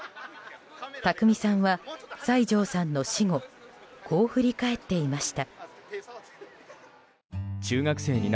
宅見さんは、西城さんの死後こう振り返っていました。